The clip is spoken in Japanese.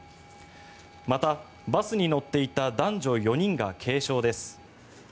またバスに乗っていた男女４人が軽傷です。